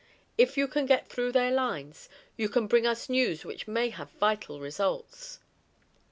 If you can get through their lines you can bring us news which may have vital results."